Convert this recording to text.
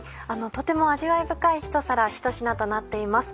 とても味わい深いひと皿ひと品となっています。